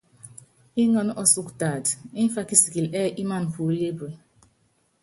Iŋɛ́nɛ́ ɔsúkɔ taata, mfá kisiili ɛ́ɛ́ ímaná puólí púamɛ.